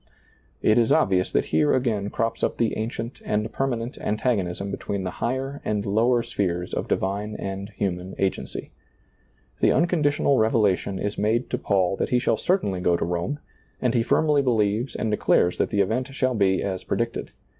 It is obvious that here c^ain crops up the ancient and permanent antagonism between the higher and lower spheres of divine and human agency. The unconditional revelation is made to Paul that he shall certainly go to Rome, and he firmly believes and declares that the event shall be as predicted.